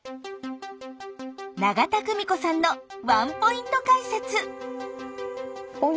永田久美子さんのワンポイント解説。